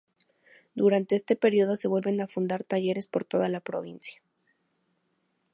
Durante este periodo se vuelven a fundar talleres por toda la provincia.